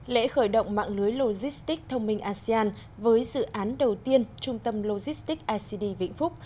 lễ khởi động mạng lưới logistics thông minh asean với dự án đầu tiên trung tâm logistics icd vĩnh phúc